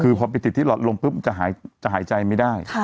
คือพอไปติดที่หลอดลมปุ๊บจะหายใจไม่ได้